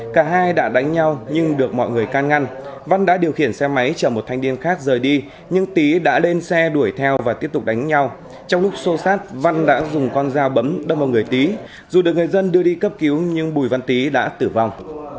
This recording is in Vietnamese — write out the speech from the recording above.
cả hai đã đánh nhau nhưng được mọi người can ngăn văn đã điều khiển xe máy chở một thanh niên khác rời đi nhưng tý đã lên xe đuổi theo và tiếp tục đánh nhau trong lúc xô sát văn đã dùng con dao bấm đâm vào người tý dù được người dân đưa đi cấp cứu nhưng bùi văn tý đã tử vong